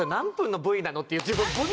っていう。